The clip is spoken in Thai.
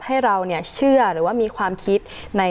ให้เราเชื่อหรือว่ามีความคิด